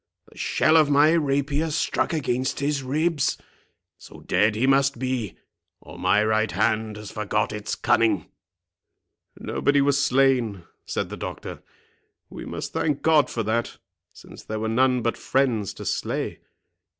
The shell of my rapier struck against his ribs. So, dead he must be, or my right hand has forgot its cunning." "Nobody was slain," said the doctor; "we must thank God for that, since there were none but friends to slay.